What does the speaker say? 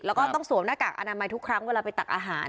แล้วก็ต้องสวมหน้ากากอนามัยทุกครั้งเวลาไปตักอาหาร